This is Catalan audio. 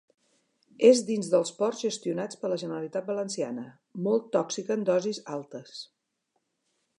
És dins dels ports gestionats per la Generalitat Valenciana. Molt tòxica en dosis altes.